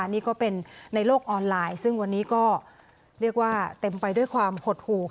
นี่ก็เป็นในโลกออนไลน์ซึ่งวันนี้ก็เรียกว่าเต็มไปด้วยความหดหู